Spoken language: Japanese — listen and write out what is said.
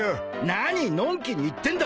何のんきに言ってんだ。